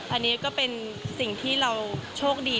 อันนี้ก็เป็นสิ่งที่เราโชคดี